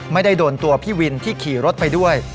ไม่ได้โดนตัวพี่วินที่ขี่รถไปด้วย